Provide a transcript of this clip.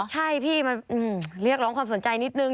ใช่พี่มันเรียกร้องความสนใจนิดนึง